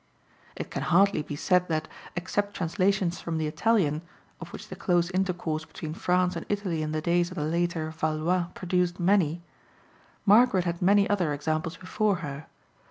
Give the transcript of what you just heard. It can hardly be said that, except translations from the Italian (of which the close intercourse between France and Italy in the days of the later Valois produced many), Margaret had many other examples before her.